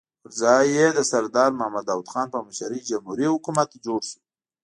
پر ځای یې د سردار محمد داؤد خان په مشرۍ جمهوري حکومت جوړ شو.